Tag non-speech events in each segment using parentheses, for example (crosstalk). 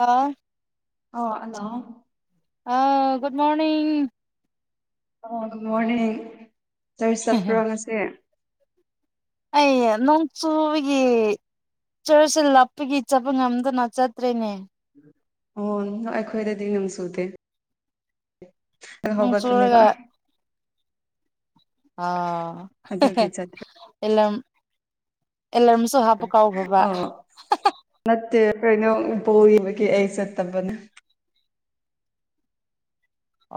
ꯑ ꯑꯣ ꯍꯜꯂꯣ ꯑ ꯒꯨꯗ ꯃꯣꯔꯅꯤꯡ ꯑ ꯒꯨꯗ ꯃꯣꯔꯅꯤꯡ ꯇꯔꯤ ꯆꯄ꯭ꯔꯣ ꯉꯁꯦ ꯑꯩ ꯅꯣꯡ ꯆꯨꯕꯒꯤ ꯆꯔꯁꯦ ꯂꯞꯄꯒꯤ ꯆꯠꯄ ꯉꯝꯗꯅ ꯆꯠꯇ꯭ꯔꯔꯤꯅꯦ ꯑꯣ ꯑꯩꯈꯣꯏꯗꯗꯤ ꯅꯝ ꯆꯨꯗꯦ ꯅꯣꯡ ꯍꯧꯒꯠꯄꯅꯦꯕ ꯆꯨꯔꯒ ꯑ ꯑꯗꯨꯒꯤ (unintelligible) ꯆꯠꯇ꯭ꯔꯦ ꯑꯦꯂꯝ ꯑꯦꯂꯝꯁ ꯑꯣ ꯅꯠꯇꯦ ꯀꯩꯅꯣ ꯕꯣꯜ ꯌꯦꯡꯕꯒꯤ ꯑꯩ ꯆꯠꯇꯕꯅꯦ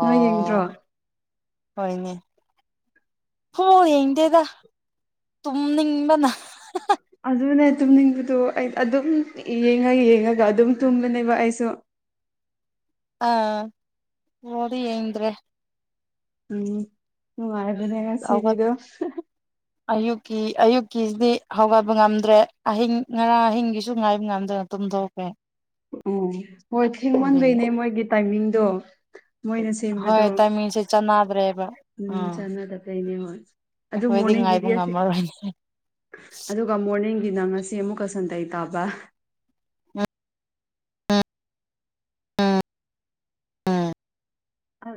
ꯅꯣꯏ ꯌꯦꯡꯗ꯭ꯔꯣ ꯑꯣ ꯍꯣꯏꯅꯦ ꯍꯣ ꯌꯦꯡꯗꯦꯗ ꯇꯨꯝꯅꯤꯡꯕꯅ ꯑꯗꯨꯅꯦ ꯇꯨꯝꯅꯤꯡꯕꯗꯣ ꯑꯩ ꯑꯗꯨꯝ ꯌꯦꯡꯉ ꯌꯦꯡꯉꯒ ꯑꯗꯨꯝ ꯇꯨꯝꯕꯅꯦꯕ ꯑꯩꯁꯨ ꯑꯥ ꯕꯣꯜꯗꯤ ꯌꯦꯟꯗ꯭ꯔꯦ ꯎꯝ ꯅꯨꯡꯉꯥꯏꯕꯅꯦ ꯍꯧꯒꯠ ꯉꯁꯤꯒꯤꯗꯣ ꯑꯌꯨꯛꯀꯤ ꯑꯌꯨꯛꯀꯤꯁꯤꯗꯤ ꯍꯧꯒꯠꯄ ꯉꯝꯗ꯭ꯔꯦ ꯑꯍꯤꯡ ꯉꯔꯥꯡ ꯑꯍꯤꯡꯒꯤꯁꯨ ꯉꯥꯏꯕ ꯉꯝꯗ꯭ꯔꯦ ꯃꯇꯝꯗꯣ ꯑꯣꯝ ꯑꯣ ꯍꯣꯏ ꯊꯦꯡꯃꯟꯕꯩꯅꯦ ꯃꯣꯏꯒꯤ ꯇꯥꯏꯃꯤꯡꯗꯣ ꯃꯣꯏꯅ ꯁꯦꯝꯕꯗꯣ ꯍꯣꯏ ꯇꯥꯏꯃꯤꯡꯁꯦ ꯆꯥꯟꯅꯗ꯭ꯔꯦꯕ ꯎꯝ ꯆꯥꯟꯅꯗꯕ ꯂꯩꯅꯦ ꯍꯣꯏ ꯑꯗꯨ ꯑꯩꯈꯣꯏꯗꯤ ꯉꯥꯏꯕ ꯃꯣꯔꯅꯤꯡꯒꯤꯗꯤꯌꯥꯁ ꯉꯝꯃꯔꯣꯏꯅꯦ ꯑꯗꯨꯒ ꯃꯣꯔꯅꯤꯡꯒꯤꯅ ꯉꯁꯤ ꯑꯃꯨꯛꯀ ꯁꯟꯗꯦ ꯇꯥꯕ ꯎꯝ ꯑ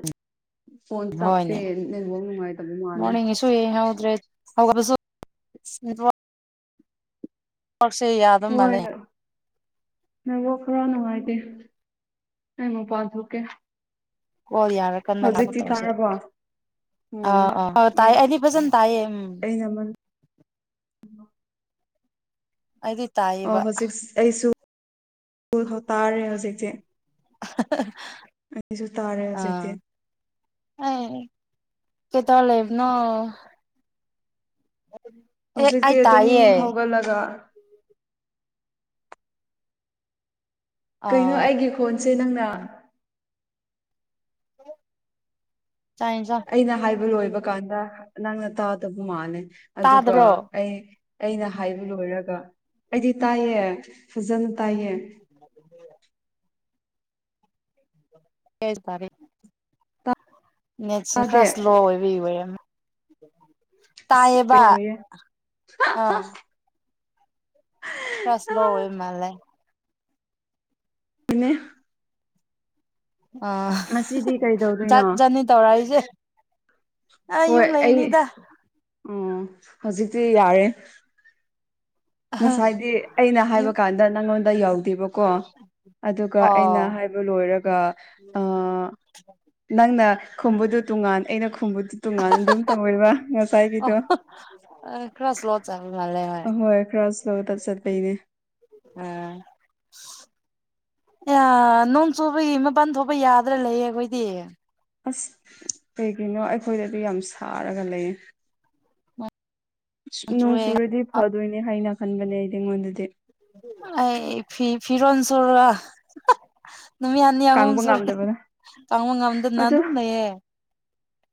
ꯐꯣꯟ ꯆꯞꯄꯦ ꯍꯣꯏꯅꯦ ꯅꯦꯡꯐꯧ ꯅꯨꯡꯉꯥꯏꯇꯕ ꯃꯥꯜꯂꯦ ꯗ꯭ꯔꯦ ꯑꯣꯁꯦ ꯌꯥꯗ ꯍꯣꯏ ꯃꯥꯜꯂꯦ ꯅꯕꯨ ꯈꯔꯥ ꯅꯨꯡꯉꯥꯏꯇꯦ ꯅꯉ ꯄꯥꯟ ꯊꯣꯛꯣꯛꯀꯦ ꯍꯣꯏ ꯌꯥꯔꯦ ꯀ ꯇꯧꯁꯦ ꯇꯥꯔꯕꯣ ꯑ ꯎꯝ ꯑ ꯇꯥꯏ ꯑꯩꯅꯤ ꯐꯖꯅ ꯇꯥꯏꯌꯦ ꯎꯝ ꯀꯃꯜ ꯑꯗꯤ ꯑꯣ ꯍꯧꯖꯤꯛ ꯑꯩꯁꯨꯜ ꯇꯥꯔꯦ ꯍꯧꯖꯤꯛꯁꯦ (unintelligible) ꯑꯩꯁꯨ ꯇꯥꯔꯦ ꯍꯧꯖꯤꯛꯇꯤ ꯑꯦ ꯀꯩꯇꯧ ꯂꯩꯕ ꯅꫭ (inaudible) ꯍꯧꯖꯤꯛꯇꯤ ꯑꯗꯨꯝ ꯇꯥꯏꯌꯦ ꯍꯧꯒꯠꯂꯒ ꯀꯩꯅꯣ ꯑꯥ ꯑꯩꯒꯤ ꯈꯣꯟꯁꯦ ꯅꯪꯅ ꯆꯥꯛ ꯏꯟꯖꯥꯡ ꯑꯩꯅ ꯍꯥꯏꯕ ꯂꯣꯏꯕ ꯀꯥꯟꯗ ꯅꯪꯅ ꯇꯥꯗꯕ ꯃꯥꯂꯦ ꯑꯗꯨꯒ ꯇꯥꯗꯕ꯭ꯔꯣ ꯑꯩ ꯑꯩꯅ ꯍꯥꯏꯕ ꯂꯣꯏꯔꯒ ꯑꯩꯗꯤ ꯇꯥꯏꯌꯦ ꯐꯖꯅ ꯇꯥꯏꯌꯦ (unintelligible) ꯅꯦꯠ ꯌꯗꯦ ꯅꯦꯠꯁꯦ ꯇꯥꯗꯦ ꯈꯔ ꯁ꯭ꯂꯣ ꯑꯣꯏꯕꯒꯤ ꯑꯣꯏꯔꯝꯒꯅꯤ ꯇꯌꯦꯕ ꯀꯩꯗꯧꯔꯤꯌꯦ ꯑꯥ ꯈ꯭ꯔꯥ ꯏꯁꯂꯣ ꯑꯥꯏꯕ ꯃꯥꯟꯂꯦ ꯑꯗꯨꯅꯦ ꯑꯥ ꯉꯁꯤꯗꯤ ꯀꯩꯗꯧꯗꯣꯏꯅꯣ ꯆꯥꯛ ꯆꯥꯅꯅꯤ ꯇꯧꯔꯏꯁꯦ ꯑ ꯌꯨꯝ ꯂꯩꯅꯤꯗ ꯎ ꯍꯧꯖꯤꯛꯇꯤ ꯌꯥꯔꯦ ꯉꯁꯥꯏꯗꯤ ꯑꯩꯅ ꯍꯥꯏꯕ ꯌꯨꯝ ꯀꯥꯟꯗ ꯅꯪꯉꯣꯟꯗ ꯌꯧꯗꯦꯕꯀꯣ ꯀꯣ ꯑꯗꯨꯒ ꯑꯣ ꯑꯩꯅ ꯍꯥꯏꯕ ꯂꯣꯏꯔꯒ ꯑ ꯅꯪꯅ ꯈꯨꯝꯕꯗꯨ ꯇꯣꯉꯥꯟ ꯑꯩꯅ ꯈꯨꯝꯕꯗꯨ ꯇꯣꯉꯥꯟ ꯑꯗꯨꯝ ꯇꯧꯋꯦꯕ ꯉꯁꯥꯏꯒꯤꯗꯣ ꯑꯣ ꯈꯔ ꯏꯁꯂꯣ ꯆꯠ ꯃꯥꯂꯦ ꯍꯣꯏ ꯍꯥꯏ ꯈ꯭ꯔꯥ ꯁꯂꫭ ꯏꯁꯂꯣꯗ ꯆꯠ ꯄꯩꯅꯦ ꯎꯝ ꯑ ꯅꯣꯡ ꯆꯨꯕꯒꯤ ꯃꯄꯥꯟ ꯊꯣꯛꯄ ꯌꯥꯗ꯭ꯔꯥ ꯂꯩꯌꯦ ꯑꯩꯈꯣꯏꯗꯤ ꯑꯁ ꯀꯩꯒꯤꯅꯣ ꯑꯩꯈꯣꯏꯗꯗꯤ ꯌꯥꯝ ꯁꯥꯔꯒ ꯂꯩꯌꯦ ꯅꯣꯡ ꯆꯨꯔꯗꯤ ꯐꯗꯣꯏꯅꯦ ꯍꯥꯏꯅ ꯈꯟꯕꯅꯦ ꯑꯩꯗꯤ ꯑꯩꯉꯣꯟꯗꯗꯤ ꯑꯩ ꯐꯤ ꯐꯤꯔꯣꯟ ꯁꯨꯔꯒ ꯅꯨꯃꯤꯠ ꯍꯅꯤ ꯑꯍꯨꯝ ꯀꯪꯕ ꯁꯨꯔꯦ ꯉꯝꯗꯕꯗ ꯇꯪꯕ ꯉꯝꯗꯅꯅꯥ ꯑꯗꯨ ꯑꯗꯨꯝ ꯂꯩꯌꯦ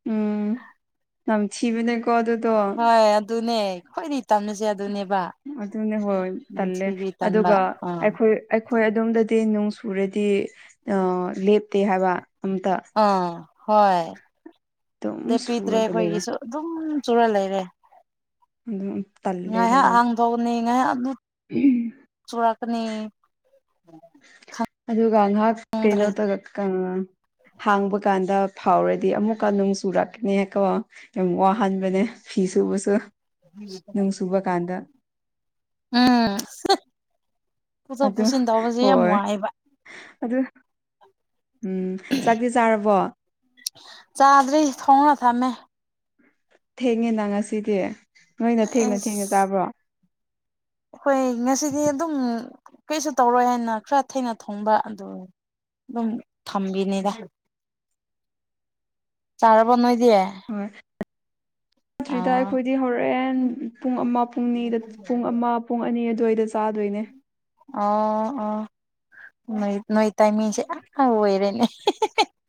ꯎꯝ ꯅꯝꯊꯤꯕꯅꯦ ꯀꯗꯨꯗꯣ ꯍꯣꯏ ꯑꯗꯨꯅꯦ ꯈ꯭ꯋꯥꯏꯗꯤ ꯇꯟꯕꯁꯦ ꯑꯗꯨꯅꯦꯕ ꯑꯗꯨꯅꯦ ꯍꯣꯏ ꯇꯜꯂꯦ ꯅꯝꯊꯤꯕꯤ ꯇꯟꯕ ꯑꯗꯨꯒ ꯑꯥ ꯑꯩꯈꯣꯏ ꯑꯩꯈꯣꯏ ꯑꯗꯣꯝꯗꯗꯤ ꯅꯨꯡ ꯆꯨꯔꯗꯤ ꯂꯦꯞꯇꯦ ꯍꯥꯏꯕ ꯑꯝꯇ ꯑꯥ ꯍꯣꯏ ꯑꯗꯨꯝ ꯂꯦꯞꯄꯤꯗ꯭ꯔꯦ ꯁꯨꯔꯒ ꯂꯩꯌꯦ ꯑꯩꯈꯣꯏꯒꯤꯁꯨ ꯑꯗꯨꯝ ꯆꯨꯔ ꯂꯩꯔꯦ ꯑꯗꯨꯝ ꯇꯜꯂꯦ ꯉꯥꯏꯍꯥꯛ ꯑꯗꯨꯒ ꯍꯥꯡꯗꯧꯅꯤ ꯉꯥꯏꯍꯥꯛ ꯑꯗꯨ ꯆꯨꯨꯔꯛꯀꯅꯤ ꯑꯗꯨꯒ ꯉꯍꯥꯛ ꯈꯪꯗ꯭ꯔꯦ ꯀꯩꯩꯅꯣ ꯇꯧꯒ ꯀꯪ ꯍꯥꯡꯕ ꯀꯥꯟꯗ ꯐꯥꯎꯔꯗꯤ ꯑꯃꯨꯛꯀ ꯅꯨꯡ ꯆꯨꯔꯛꯀꯅꯤ ꯀꯣ ꯌꯥꯝ ꯋꯥꯍꯟꯕꯅꯦ ꯐꯤ ꯁꯨꯕꯁꯨ ꯅꯨꯡ ꯆꯨꯕ ꯀꯥꯟꯗ ꯎꯝ ꯄꯨꯊꯣꯛ ꯑꯗꯨ ꯄꯨꯁꯤꯟ ꯇꯧꯕꯁꯦ ꯌꯥꯝ ꯍꯣꯏ ꯋꯥꯏꯌꯦꯕ ꯑꯗꯨ ꯎꯝ ꯆꯥꯛꯇꯤ ꯆꯥꯔꯕꯣ ꯆꯥꯗ꯭ꯔꯤ ꯊꯣꯡꯅ ꯊꯝꯃꯦ ꯊꯦꯡꯉꯦꯅ ꯉꯁꯤꯗꯤ ꯅꯣꯏꯅ ꯊꯦꯡꯅ ꯊꯦꯡꯅ ꯆꯥꯕ꯭ꯔꯣ ꯍꫭꯏ ꯉꯁꯤꯗꯤ ꯑꯗꯨꯝ ꯀꯩꯁꯨ ꯇꯧꯔꯣꯏ ꯍꯥꯏꯅ ꯈꯔ ꯊꯦꯡꯅ ꯊꯣꯡꯕ ꯑꯗꯨ ꯑꯗꯨꯝ ꯊꯝꯕꯤꯅꯤꯗ ꯆꯥꯔꯕꯣ ꯅꯣꯏꯗꯤ ꯗ꯭ꯔꯤꯗ ꯑꯥ ꯑꯩꯈꯣꯏꯗꯤ ꯍꯧꯔꯦꯟ ꯄꯨꯡ ꯑꯃ ꯄꯨꯡꯅꯤꯗ ꯄꯨꯡ ꯑꯃ ꯄꯨꯡ ꯑꯅꯤ ꯑꯗꯨꯋꯥꯏꯗ ꯆꯥꯗꯣꯏꯅꯦ ꯑꯣ ꯑꯣ ꯅꯣꯏ ꯅꯣꯏ ꯇꯥꯏꯃꯤꯡꯁꯦ ꯑ ꯑꯣꯏꯔꯦꯅꯦ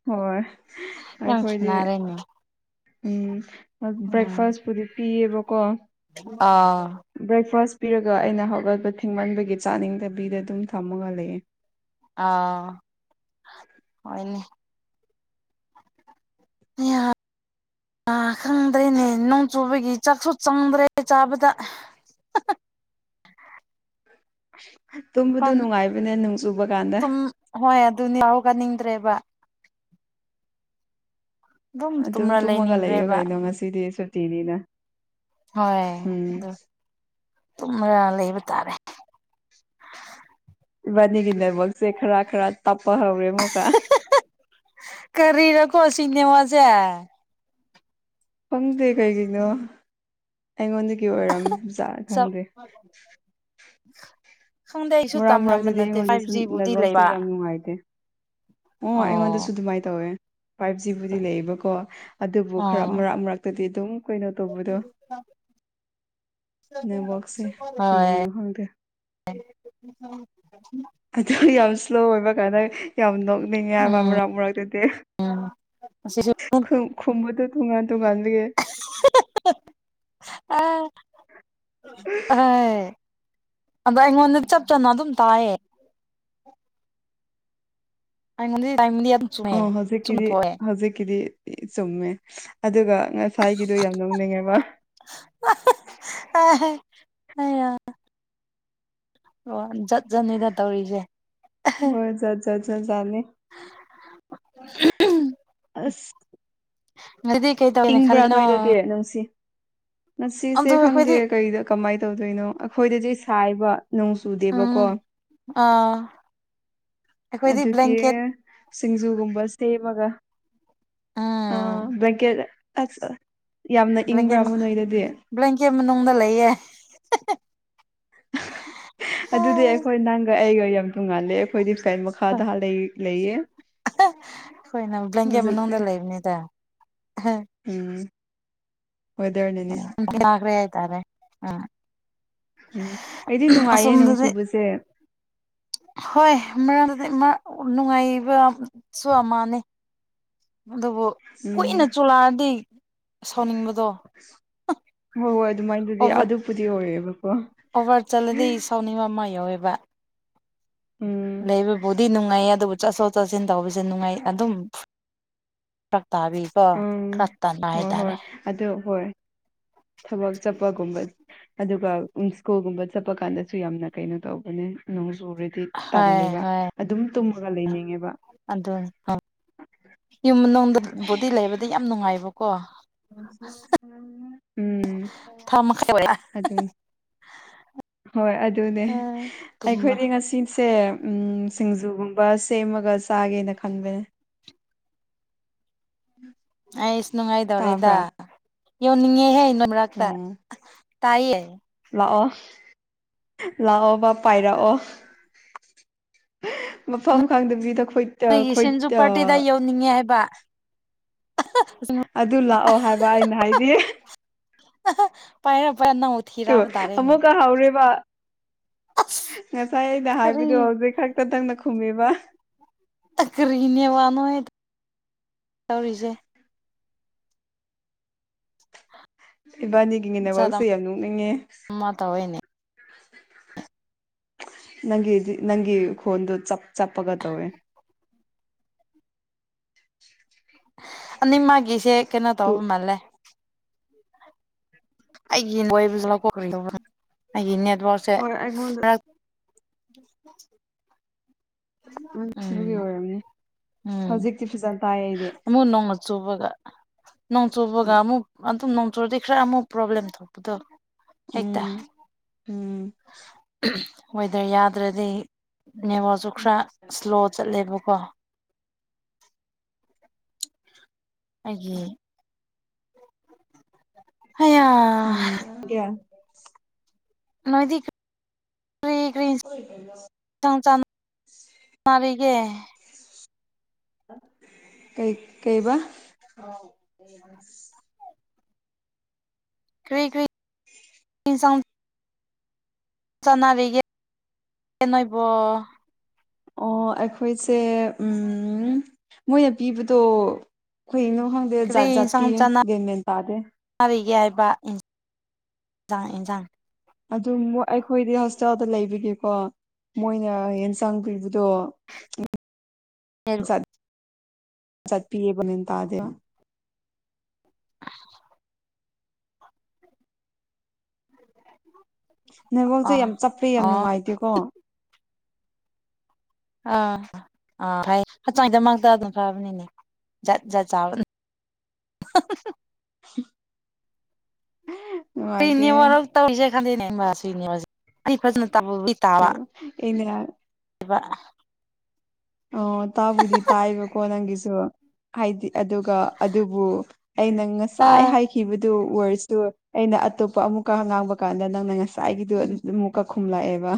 ꯍꯣꯏ ꯌꯥꯝ ꯑꯩꯈꯣꯏꯗꯤ ꯈꯦꯠꯅꯔꯦꯅꯦ ꯎꯝ ꯎꯝ ꯕ꯭ꯔꯦꯛꯐꯥꯁꯄꯨꯗꯤ ꯄꯤꯌꯦꯕꯀꯣ ꯑꯥ ꯕ꯭ꯔꯦꯛꯐꯥꯁ ꯄꯤꯔꯒ ꯑꯩꯅ ꯍꯧꯒꯠꯄ ꯊꯦꯡꯃꯟꯕꯒꯤ ꯆꯥꯅꯤꯡꯗꯕꯤꯗ ꯑꯗꯨꯝ ꯊꯝꯃꯒ ꯂꯩꯌꯦ ꯑꯥ ꯍꯣꯏꯅꯦ (inaudible) ꯑꯥ ꯈꯪꯗ꯭ꯔꯦꯅꯦ ꯅꯣꯡ ꯆꯨꯕꯒꯤ ꯆꯥꯛꯁꯨ ꯆꯪꯗ꯭ꯔꯦ ꯆꯥꯕꯗ ꯇꯨꯝꯕꯗꯨ ꯃꯄꯥꯟ ꯅꯨꯡꯉꯥꯏꯕꯅꯦ ꯅꯣꯡ ꯆꯨꯕ ꯀꯥꯟꯗ ꯇꯨꯝ ꯍꯣꯏ ꯑꯗꯨ ꯌꯥꯎꯒꯅꯤꯡꯗ꯭ꯔꯦꯕ ꯑꯗꯨꯝ ꯇꯨꯝꯔ ꯇꯨꯝꯃꯒ ꯂꯩꯌꯣ ꯂꯩꯅꯤꯡꯈ꯭ꯔꯦꯕ ꯀꯩꯅꯣ ꯉꯁꯤꯗꯤ ꯁꯨꯇꯤꯅꯤꯅ ꯍꯣꯏ ꯎꯝ ꯑꯗꯨ ꯇꯨꯝꯔꯒ ꯂꯩꯕ ꯇꯥꯔꯦ ꯏꯕꯥꯅꯤꯒꯤꯗꯕꯁꯦ ꯈꯔ ꯈꯔ ꯇꯞꯄ ꯍꯧꯔꯦ ꯑꯃꯨꯛꯀ ꯀꯔꯤꯔꯣꯀꯣ ꯁꯤꯅꯦꯃꯁꯦ ꯈꯪꯗꯦ ꯀꯩꯒꯤꯅꯣ ꯑꯩꯉꯣꯟꯗꯒꯤ ꯑꯣꯏꯔꯝꯃꯤ (unintelligible) ꯈꯪꯗꯦꯑꯩꯁꯨ ꯃꯔꯛ ꯇꯝꯉꯝꯕ ꯃꯔꯛꯇꯗꯤ ꯅꯠꯇꯦ ꯐꯥꯏꯚ ꯑꯩꯉꯣꯟꯗꯁꯨ ꯖꯤꯕꯨꯗꯤ ꯅꯦꯠꯋꯥꯛꯁꯦ ꯂꯩꯕ ꯌꯥꯝ ꯅꯨꯡꯉꯥꯏꯇꯦ ꯑꯣ ꯑꯩꯉꯣꯟꯗꯁꯨ ꯑꯗꯨꯃꯥꯏꯅ ꯇꯧꯋꯦ ꯐꯥꯏꯚ ꯖꯤꯕꯨꯗꯤ ꯂꯩꯌꯦꯕꯀꯣ ꯑꯗꯨꯕꯨ ꯈꯔ ꯑꯣ ꯃꯔꯛ ꯃꯔꯛꯇꯗꯤ ꯑꯗꯨꯝ ꯑꯩ ꯀꯈꯣꯏꯩꯅꯣ ꯇꯧꯕꯗꯣ ꯅꯦꯠꯋꯥꯛꯁꯦ ꯍꯣꯏ ꯀꯩꯒꯤꯅꯣ ꯈꯪꯗꯦ (inaudible) ꯑꯗꯨ ꯌꯥꯝ ꯁ꯭ꯂꯣ ꯑꯣꯏꯕ ꯀꯥꯟꯅ ꯌꯥꯝ ꯅꯣꯛꯅꯤꯡꯉꯦꯕ ꯎꯝ ꯃꯔꯛ ꯃꯔꯛꯇꯨꯗꯤ ꯑꯁꯤꯁꯨ ꯈꯨꯝ ꯈꯨꯝꯕꯗꯨ ꯇꯨꯡꯉꯥꯟ ꯇꯨꯡꯉꯥꯟꯂꯤꯑ ꯑꯥ ꯑꯦ ꯑꯗ ꯑꯩꯉꯣꯟꯗ ꯆꯞ ꯆꯥꯅ ꯑꯗꯨꯝ ꯇꯥꯏꯑꯌꯦ (inaudible) ꯑ ꯆꯨꯝꯅ ꯍꯧꯖꯤꯛꯀꯤꯗꯤ ꯊꯣꯛꯑꯦ ꯍꯧꯖꯤꯛꯀꯤꯗꯤ ꯆꯨꯝꯃꯦ ꯑꯗꯨꯒ ꯑꯩꯒꯤꯗꯣ ꯌꯥꯝ ꯅꯧꯅꯤꯡꯉꯦꯕ ꯑ ꯑ ꯑꯣ ꯖꯠ ꯖꯠꯅꯤꯗ ꯇꯧꯔꯤꯁꯦ ꯍꯣꯏ ꯆꯠꯖꯠꯂꯦ ꯑꯁ ꯑꯗꯨ ꯀꯩ ꯇꯧꯒꯦꯅ ꯏꯪꯕ꯭ꯔꯥ ꯈꯜꯂꯤꯅꯣ ꯅꯣꯏꯗꯒꯤ ꯅꯪꯁꯤ ꯉꯁꯤꯁꯦ ꯑꯗꯨ ꯈꯪꯗꯦ ꯑꯩꯈꯣꯏꯗꯤ ꯀꯩꯗ ꯀꯃꯥꯏꯅ ꯇꯧꯗꯣꯏꯅꯣ ꯑꯩꯈꯣꯏꯗꯗꯤ ꯁꯥꯏꯕ ꯅꯣꯡ ꯆꯨꯗꯦꯕꯀꯣ ꯎꯝ ꯑꯥ ꯑꯩꯈꯣꯏꯗꯤ ꯑꯗꯨꯒꯤ ꯕ꯭ꯂꯦꯡꯀꯦꯠ ꯁꯤꯡꯖꯨꯒꯨꯝꯕ ꯁꯦꯝꯃꯒ ꯑ ꯎꯝ ꯕ꯭ꯂꯦꯡꯀꯦꯠ ꯑ ꯌꯥꯝꯅ ꯕ꯭ꯂꯦꯡꯀꯦꯠ ꯏꯪꯕ꯭ꯔꯥꯕ ꯅꯣꯏꯗꯗꯤ ꯕ꯭ꯂꯦꯡꯀꯦꯠ ꯃꯅꯨꯡꯗ ꯂꯩꯌꯦꯦ ꯑꯗꯨꯗꯤ ꯑꯩꯈꯣꯏ ꯅꯪ ꯑꯩꯒ ꯌꯥꯝ ꯇꯣꯡꯉꯥꯜꯂꯦ ꯑꯩꯈꯣꯏꯗꯤ ꯁꯥꯏ ꯃꯈꯥꯗ ꯂꯩꯌꯦ ꯍ ꯍꯈꯣꯏꯅ ꯕ꯭ꯂꯦꯡꯀꯦ ꯍꯧꯖꯤꯛꯁꯦ ꯃꯅꯨꯡꯗ ꯂꯩꯕꯅꯤꯗ ꯑꯍ ꯎꯝ ꯋꯦꯗꯔꯅꯅꯦ ꯂꯈꯔꯤꯦ ꯍꯥꯏꯇꯥꯔꯦ ꯑ ꯎꯝ ꯑꯩꯗꯤ ꯅꯨꯡꯉꯥꯏꯌꯦ ꯅꯣꯡ ꯆꯨꯕꯁꯦ ꯍꯣꯏ ꯃꯔꯗꯤ ꯃꯔꯛ ꯅꯨꯡꯉꯥꯏꯕꯁꯨ ꯑꯃꯍꯥꯅꯦ ꯑꯗꯨꯕꯨ ꯎꯝ ꯀꯨꯏꯅ ꯆꯣꯂꯛꯑꯗꯤ ꯍꯣꯏ ꯍꯣꯏ ꯑꯗꯨꯃꯥꯏꯅꯗꯨꯗꯤ ꯑꯣꯚꯔ ꯑꯗꯨꯕꯨꯨꯗꯤ ꯑꯣꯏꯌꯦꯦꯕꯀꯣ ꯑꯣꯚꯔ ꯆꯠꯂꯗꯤ ꯁꯥꯎꯅꯤꯡꯕ ꯑꯃ ꯌꯥꯎꯋꯦꯕ ꯎꯝ ꯂꯩꯕꯕꯨꯗꯤ ꯅꯨꯡꯉꯥꯏ ꯑꯗꯨꯕꯨ ꯆꯠꯊꯣꯛ ꯆꯠꯁꯤꯟ ꯇꯧꯕꯁꯦ ꯅꯨꯡꯉꯥꯏ ꯑꯗꯨꯝ ꯐꯛ ꯇꯥꯕꯤ ꯍꫭ ꯎꯝ ꯈꯔꯥ ꯇꯟꯕ ꯍꯣꯏ ꯍꯣꯏ ꯍꯥꯏꯇꯔꯦ ꯑꯗꯨ ꯍꯣꯏ ꯊꯕꯛ ꯆꯠꯄꯒꯨꯝꯕ ꯑꯗꯨꯒ ꯎꯟꯁꯀꫭꯒꯨꯝꯕ ꯆꯠꯄ ꯀꯥꯟꯗꯁꯨ ꯌꯥꯝꯅ ꯀꯩꯅꯣ ꯇꯧꯕꯅꯦ ꯅꯣꯡꯆꯨꯔꯦ ꯍꯣꯏ ꯇꯜꯂꯦꯕ ꯍꯣꯏ ꯑꯗꯨꯝ ꯇꯨꯝꯃꯒ ꯂꯩꯅꯤꯡꯉꯦꯕ ꯑꯗꯨꯅꯤ ꯌꯨꯝ ꯃꯅꯨꯡꯗ ꯕꯣꯗꯤ ꯂꯩꯕꯗꯤ ꯌꯥꯝ ꯅꯨꯡꯉꯥꯏꯕꯀꯣ (inaudible) ꯊꯃ ꯃꯈꯥꯏ ꯑꫭꯗ ꯑꯗꯨ ꯍꯣꯏ ꯑꯗꯨꯅꯦ ꯇꯨꯝꯕ ꯑꯩꯈꯣꯏꯗꯤ ꯉꯁꯤꯁꯦ ꯎꯝ ꯁꯤꯡꯖꯨꯒꯨꯝꯕ ꯁꯦꯝꯃꯒ ꯆꯥꯒꯦꯅ ꯈꯟꯕꯅꯦ ꯑꯩꯁ ꯅꯨꯡꯉꯥꯏꯗꯧꯔꯦꯗ ꯇꯥꯕ꯭ꯔꯥ ꯌꯧꯅꯤꯡꯉꯦꯍꯦ ꯅꯔꯛꯇ ꯎꯝ ꯇꯥꯏꯌꯦ ꯂꯥꯛꯑꯣ ꯂꯥꯛꯑꯣꯕ ꯄꯥꯏꯔꯛꯑꯣ ꯃꯐꯝ ꯈꯪꯗꯝꯕꯁꯤꯗꯈꯣꯏ ꯅꯣꯏꯒꯤ ꯁꯤꯟꯖ ꯄꯥꯔꯇꯤꯗ ꯌꯧꯅꯤꯡꯉꯦ ꯍꯥꯏꯕ ꯑꯗꯨ ꯂꯥꯛꯑꯣ ꯍꯥꯏꯕ ꯑꯩꯅ ꯍꯥꯏꯗꯤ ꯄꯌꯦ ꯐꯅ ꯑꯃꯨꯛꯀ ꯍꯧꯔꯦꯔꯤꯕ ꯉꯁꯥꯏ ꯑꯩꯅ ꯀꯔꯤ ꯍꯥꯏꯕꯗꯣ ꯍꯧꯖꯤꯛ ꯈꯛꯇ ꯇꯪꯅ ꯈꯨꯝꯃꯤꯕ ꯑꯩ ꯀꯔꯤꯒꯤ ꯅꯦꯋꯥꯅꯣꯍꯦ ꯇꯧꯔꯤꯁꯦ ꯏꯕꯥꯅꯤꯒꯤꯅꯦ ꯅꯋꯥꯛꯁꯦ ꯌꯥꯝ ꯅꯣꯛꯅꯤꯡꯉꯦ ꯇꯧꯑꯣꯣꯏꯅꯦ ꯅꯪꯒꯤꯗꯤ ꯅꯪꯒꯤ ꯈꫭꯟꯗꯨ ꯆꯞ ꯆꯞꯄꯒ ꯇꯧꯋꯦ ꯅꯤꯡꯃꯒꯤꯁꯦ ꯀꯦꯩꯅꯣ ꯇꯨ ꯇꯧꯕ ꯃꯂꯦ ꯑꯩꯒꯤ ꯋꯥꯕꯁꯨ ꯂꯧꯣꯛꯈꯧꯕ ꯑꯩꯒꯤ ꯅꯦꯠꯋꯛꯁꯦ ꯃꯗ (inaudible) ꯑꯗꯨꯒꯤ ꯎꯝ ꯑꯣꯏꯔꯝꯅꯤ ꯎꯝ ꯍꯧꯖꯤꯛꯇꯤ ꯐꯖꯅ ꯇꯥꯏ ꯑꯩꯗꯤ ꯑꯃꯨꯛ ꯅꯣꯡꯅ ꯆꯨꯕꯒ ꯅꫭꯡ ꯆꯨꯕꯒ ꯑꯃꯨꯛ ꯑꯗꯨꯝ ꯅꯣꯡꯆꯨꯔꯗꯤ ꯈꯔ ꯑꯃꯨꯛ ꯄ꯭ꯔꯣꯕ꯭ꯂꯦꯝ ꯊꯣꯛꯄꯗꯣ ꯍꯦꯛꯇ ꯎꯝ ꯎꯝ ꯑꯍꯝ ꯋꯦꯗꯔ ꯌꯥꯗ꯭ꯔꯗꯤ ꯅꯦꯋꯥꯁꯨ ꯈꯔ ꯁꯂꯣ ꯆꯠꯂꯦꯕꯀꯣ ꯑꯩꯒꯤ ꯍꯌꯥ ꯎꯝ ꯀꯌꯥ ꯅꯣꯏꯗꯤꯛ ꯀꯔꯤ ꯀꯔꯤ ꯆꯅꯔꯤꯒꯦ ꯀꯩ ꯀꯩꯕꯥ ꯀ꯭ꯔꯤ ꯀ꯭ꯔꯤ ꯎꯝ ꯆꯥꯎ ꯆꯅꯕꯤꯒꯦ ꯀ ꯅꯣꯏꯕꯣ ꯑꯣ ꯑꯩꯈꯣꯏꯁꯦ ꯎꯝ ꯃꯣꯏꯅ ꯄꯤꯕꯗꯣ ꯑꯩꯣꯏꯅ ꯀꯔꯤ ꯍꯪꯗꯠꯖꯇ ꯦꯃꯦꯦꯟ ꯇꯥꯗ ꯀꯔꯤꯒꯦ ꯍꯥꯏꯕ ꯏꯟꯖꯥꯡ ꯏꯟꯁꯥꯡ ꯑꯗꯨꯝ ꯃꫭ ꯑꯩꯈꯣꯏꯗꯤ ꯍꯣꯁꯇꯦꯜꯗ ꯂꯩꯕꯒꯤꯀꯣ ꯃꯣꯏꯅ ꯌꯦꯟꯁꯥꯡ ꯄꯤꯕꯗꯣ ꯎ ꯆꯠ ꯄꯤꯌꯦꯕꯅꯦ ꯇꯥꯗꯦꯕ ꯅꯩꯕꯣꯛꯁꯦ ꯌꯥꯝ ꯑꯣ ꯆꯞꯄꯦ ꯌꯥꯝ ꯑꯣ ꯅꯨꯡꯉꯥꯏꯇꯦꯀꯣ ꯑꯥ ꯑꯥꯆꯋꯥꯏꯗꯃꯛꯇ ꯑꯗꯨꯝ ꯐꯕꯅꯤꯅꯦ ꯖꯥꯠ ꯖꯥꯠ ꯆꯥꯕ ꯑ ꯑ ꯄꯅꯤꯌꯔ ꯇꯧꯔꯤꯁꯦ ꯈꯟꯗꯦꯅꯦ ꯑꯩ ꯐꯖꯅ ꯇ ꯇꯨ ꯑꯩꯅꫪꯥ ꯑꯗꯨꯒꯕ ꯑꯣ ꯇꯥꯕꯨꯗꯤ ꯇꯥꯏꯕ ꯀꯣꯣꯟ ꯅꯪ ꯀꯁꯨ ꯍꯥꯏꯗꯤ ꯑꯗꯨꯒ ꯑꯗꯨꯕꯨ ꯑꯩꯅꯪ ꯉꯁꯥꯏ ꯍꯥꯏꯈꯤ ꯊꯤꯈꯤꯕꯗꯨ ꯋꯥꯋꯔꯁꯇꯨ ꯑꯩꯅ ꯑꯇꯣꯞꯄ ꯑꯃꯨꯛꯀ ꯉꯥꯡꯕ ꯀꯥꯟꯗ ꯅꯪꯅ ꯉꯁꯥꯏꯒꯤꯗꯨꯣ ꯑꯗꯨꯝꯃꯨꯛꯀ ꯈꯨꯝꯂꯛꯑꯦꯕ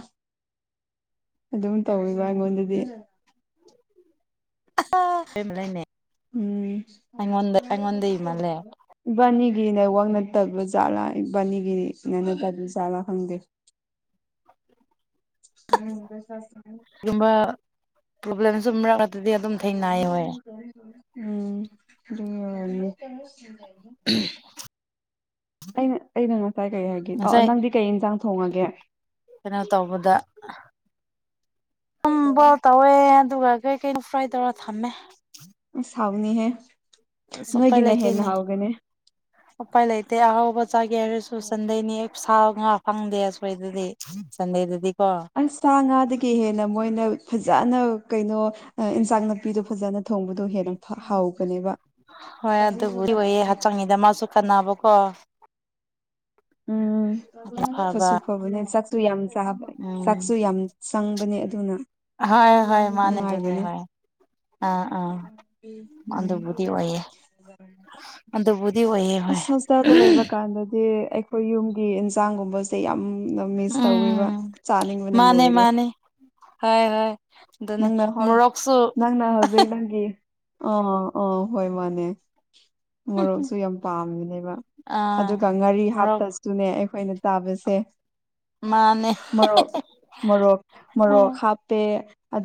ꯑꯗꯨꯝ ꯇꯧꯋꯦꯕ ꯑꯩꯉꯣꯟꯗꯗꯤ (unintelligible) ꯂꯩꯅꯦ ꯎꯝ ꯑꯩꯉꯣꯟꯗ ꯑꯩꯉꯣꯟꯗꯩ ꯃꯂꯦ ꯏꯕꯥꯅꯤꯒꯤ ꯅꯦꯋꯥꯛ ꯅꯠꯇꯕ ꯖꯥꯠꯂꯥ ꯏꯕꯥꯅꯤꯒꯤ ꯅꯇꯕ ꯆꯥꯠꯂꯥ ꯈꯪꯗꯦ (unintelligible) ꯒꯨꯝꯕ ꯄ꯭ꯔꯣꯕ꯭ꯂꯦꯝꯁꯨ ꯃꯔꯛꯇꯗꯤ ꯑꯗꯨꯝ ꯊꯦꯡꯅꯩ ꯍꯣꯏ ꯎꯝ (unintelligible) ꯎꯍꯝ ꯑꯩꯅ ꯑꯩꯅ ꯉꯁꯥꯏ ꯀꯩ ꯍꯥꯏꯒꯦ ꯑꯣ ꯑꫭ ꯉꯁꯥꯏ ꯅꯪꯗꯤ ꯀꯩ ꯏꯟꯁꯥꯡ ꯊꯣꯡꯉꯒꯦ ꯀꯩꯅꯣ ꯇꯧꯕꯗ ꯁꯨꯝꯕꯣꯜ ꯇꯧꯋꯦ ꯑꯗꯨꯒ ꯀꯩ ꯀꯩꯅꯣ ꯐ꯭ꯔꯥꯏ ꯇꯧꯔꯒ ꯊꯝꯃꯦ ꯑꯁ ꯍꯥꯎꯅꯤꯍꯦ ꯅꯣꯏꯒꯤꯅ ꯍꯦꯟꯅ ꯍꯥꯎꯒꯅꯤ ꯑꯣꯄꯥꯏ ꯂꯩꯥꯏ ꯑꯍꯥꯎꯕ ꯆꯒꯤ ꯍꯥꯢꯔꯁꯨ ꯁꯟꯗꯦꯅꯤ ꯁꯥ ꯉꯥ ꯐꯪꯗꯦ ꯑꯈꯣꯏꯗꯗꯤ ꯁꯟꯗꯦꯗꯗꯤꯀꯣ ꯑꯁ ꯁꯥ ꯉꯥꯗꯒꯤ ꯍꯦꯟꯅ ꯃꯣꯏꯅ ꯐꯖꯅ ꯀꯩꯅꯣ ꯏꯟꯁꯥꯡ ꯅꯥꯄꯤꯗꯨ ꯐꯖꯅ ꯊꯣꯡꯕꯗꯣ ꯍꯦꯟꯅ ꯍꯥꯎꯕꯅꯦꯕ ꯍꯣꯏ ꯑꯗꯨꯕꯨꯗꯤ ꯑꯣꯏꯌꯦ ꯍꯛꯆꯥꯡꯉꯤꯗꯃꯛꯁꯨ ꯀꯥꯟꯅꯕꯀꯣ ꯎꯝ ꯐꯕ ꯐꯠꯁꯨ ꯐꯕꯅꯦ ꯆꯥꯛꯁꯨ ꯌꯥꯝ ꯆꯥꯕ ꯎꯝ ꯆꯥꯛꯁꯨ ꯌꯥꯝ ꯆꯪꯕꯅꯦ ꯑꯗꯨꯅ ꯍꯣꯏ ꯍꯣꯏ ꯃꯥꯅꯦ ꯑꯗꯨꯅꯤ ꯅꯨꯡꯉꯥꯏꯕꯅꯦ ꯍꯣꯢ ꯑꯥ ꯑꯥ ꯎꯝ ꯑꯗꯕꯨꯨꯗꯤ ꯑꯣꯏꯌꯦ ꯑꯗꯕꯨꯨꯗꯤ ꯑꯣꯏꯌꯦ ꯍꯣꯏ ꯗ ꯂꯩꯕ ꯀꯥꯟꯗꯗꯤ ꯑꯩ ꯑꯩꯈꯣꯏ ꯌꯨꯝꯒꯤ ꯏꯟꯁꯥꯡꯒꯨꯝꯕꯁꯦ ꯌꯥꯝꯅ ꯃꯤꯁ ꯇꯧꯋꯦꯕ ꯎꯝ ꯆꯥꯅꯤꯡꯕꯅ ꯂꯣꯏꯔꯦ ꯍꯣꯢ ꯍꯣꯏ ꯑꯗꯨꯅꯤ ꯅꯪꯅ ꯍꯣꯜ ꯃꯣꯔꯣꯛꯁꯨ (unintelligible) ꯑꯣ ꯑꯣ ꯍꯣꯏ ꯃꯥꯅꯦ ꯃꯣꯔꯣꯛꯁꯨ ꯌꯥꯝ ꯄꯥꯝꯃꯤꯅꯦꯕ ꯑꯥ ꯑꯗꯨꯒ ꯉꯥꯔꯤ ꯃꯣꯔꯣꯛ ꯍꯥꯞꯄꯁꯨ ꯑꯗꯨꯨꯅꯦ ꯑꯩꯈꯣꯏꯅ ꯇꯥꯕꯁꯦ ꯃꯥꯅꯦ ꯃꯣꯔꯣꯛ ꯃꯣꯔꯣꯛ ꯃꯣꯔꯣꯛ ꯍꯥꯞꯄꯦ ꯑꯗꯨ